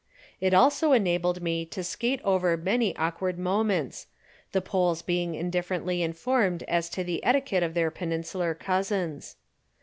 It also enabled me to skate over many awkward moments, the Poles being indifferently informed as to the etiquette of their Peninsular cousins.